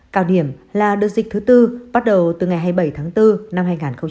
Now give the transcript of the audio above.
cao điểm là đợt dịch thứ tư bắt đầu từ ngày hai mươi bảy tháng bốn năm hai nghìn hai mươi